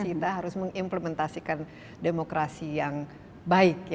kita harus mengimplementasikan demokrasi yang baik